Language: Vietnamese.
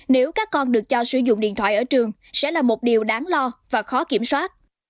nếu các con được cho sử dụng điện thoại ở trường sẽ là một điều đáng lo và khó kiểm soát